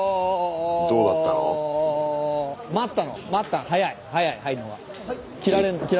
どうだったの？